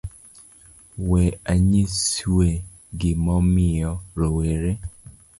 We anyisue gimomiyo rowere